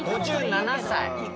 ５７歳。